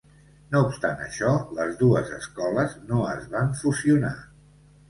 No obstant això, les dues escoles no es van fusionar.